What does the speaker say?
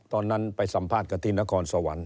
ตอนนั้นไปสัมภาษณ์กันที่นครสวรรค์